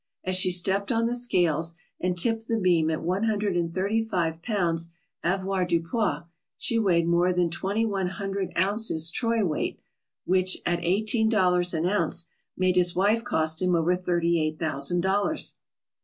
As she stepped on the scales and tipped the beam at one hundred and thirty five pounds avoirdupois, she weighed more than twenty one hundred ounces troy weight, which, at eighteen dollars an ounce, made his wife cost him over thirty eight thousand dollars.